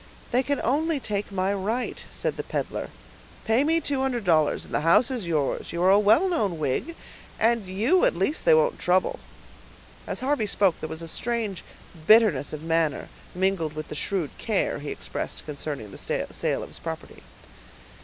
"They can only take my right," said the peddler. "Pay me two hundred dollars, and the house is yours; you are a well known Whig, and you at least they won't trouble." As Harvey spoke, there was a strange bitterness of manner, mingled with the shrewd care he expressed concerning the sale of his property.